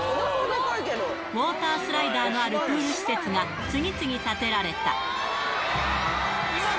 ウォータースライダーのあるプール施設が、次々建てられた。